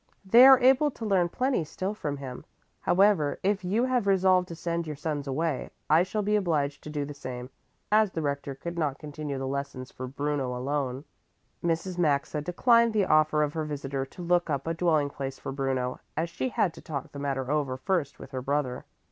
They are able to learn plenty still from him. However, if you have resolved to send your sons away, I shall be obliged to do the same, as the Rector could not continue the lessons for Bruno alone." Mrs. Maxa declined the offer of her visitor to look up a dwelling place for Bruno, as she had to talk the matter over first with her brother.